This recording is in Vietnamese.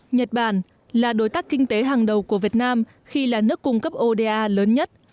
nhật bản là đối tác kinh tế hàng đầu của việt nam khi là nước cung cấp oda lớn nhất